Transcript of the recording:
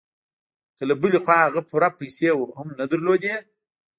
له بلې خوا هغه پوره پيسې هم نه درلودې.